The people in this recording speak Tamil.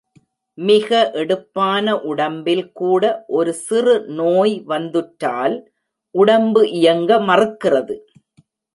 மிக எடுப்பான உடம்பில் கூட ஒரு சிறு நோய் வந்துற்றால் உடம்பு இயங்க மறுக்கிறது.